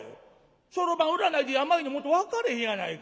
そろばん占いで病の元分かれへんやないか。